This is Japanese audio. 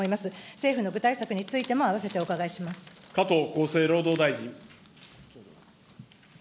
政府の具体策についてもあわせて加藤厚生労働大臣。